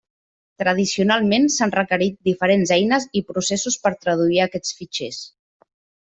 Tradicionalment s'han requerit diferents eines i processos per traduir aquests fitxers.